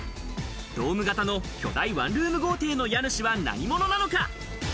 ドーム型の巨大ワンルーム豪邸の家主は何者なのか？